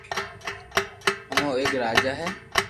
ھي او ايڪ راجا ھي